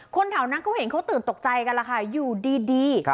คนเถานั้นก็เห็นเขาตื่นตกใจกันแหละค่ะอยู่ดีดี